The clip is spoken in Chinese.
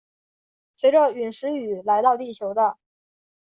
随着殒石雨来到地球的。